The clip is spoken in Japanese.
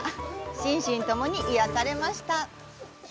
心身ともに癒やされました。